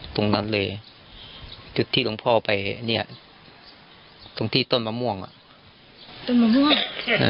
ตรงนั้นเลยจุดที่หลวงพ่อไปเนี่ยตรงที่ต้นมะม่วงอ่ะต้นมะม่วง